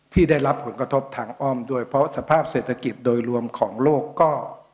ที่ได้รับผลกระทบทางอ้อมด้วยเพราะสภาพเศรษฐกิจโดยรวมของโลกก็